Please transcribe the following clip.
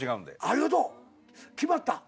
ありがとう決まった。